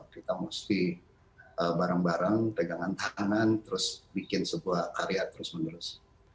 kita mesti bareng bareng pegangan tangan terus bikin sebuah karya terus menerus